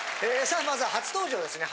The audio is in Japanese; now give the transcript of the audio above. さあまずは初登場ですね。